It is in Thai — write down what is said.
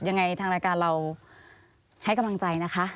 ยังไงทางรายการเราให้กำลังใจนะคะ